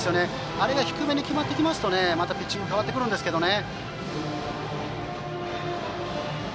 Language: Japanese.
あれが低めに決まってきますとまたピッチング変わってきますね。